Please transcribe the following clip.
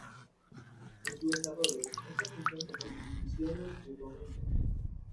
En su desarrollo, estas funciones se condicionan mutuamente.